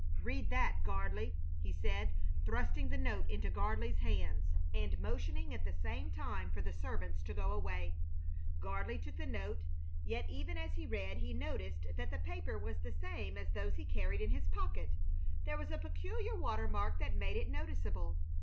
"Read that, Gardley," he said, thrusting the note into Gardley's hands and motioning at the same time for the servants to go away. Gardley took the note, yet even as he read he noticed that the paper was the same as those he carried in his pocket. There was a peculiar watermark that made it noticeable.